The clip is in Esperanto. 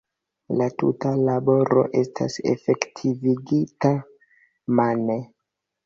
La tuta laboro estas efektivigita mane.